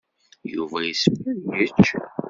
Yuba yessefk ad yečč.